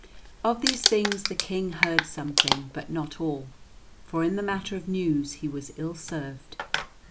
Of these things the King heard something, but not all, for in the matter of news he was ill served.